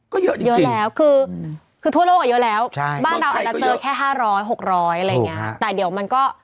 ก็เยอะแล้วคือทั่วโลกอ่ะเยอะแล้วบ้านเราอาจจะเจอแค่๕๐๐๖๐๐อะไรอย่างนี้แต่เดี๋ยวมันก็